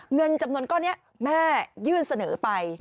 เงินจำนวนก้อนนี้แม่ยื่นเสนอไป